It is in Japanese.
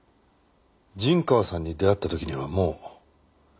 陣川さんに出会った時にはもう。